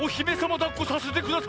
だっこさせてください。